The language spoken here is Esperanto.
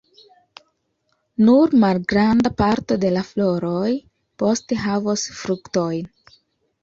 Nur malgranda parto de la floroj poste havos fruktojn.